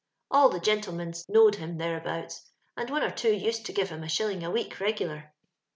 All the gentle ments knowed him thereabouts, and one or two used to give him a shilling a week re gidar.